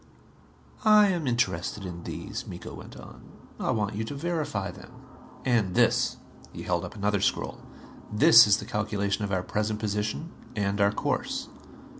"I am interested in these," Miko went on. "I want you to verify them. And this." He held up another scroll. "This is the calculation of our present position and our course.